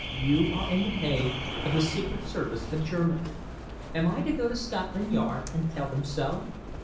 You are in the pay of the Secret Service of Germany. Am I to go to Scotland Yard and tell them so?"